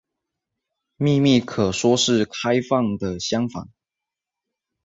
秘密可说是开放的相反。